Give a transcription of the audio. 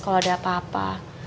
kalau ada apa apa